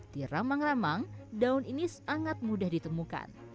di ramang ramang daun ini sangat mudah ditemukan